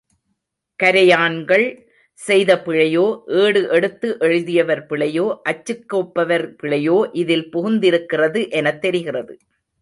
கரையான்கள் செய்த பிழையோ, ஏடு எடுத்து எழுதியவர் பிழையோ, அச்சுக்கோப்பவர் பிழையோ இதில் புகுந்திருக்கிறது எனத் தெரிகிறது.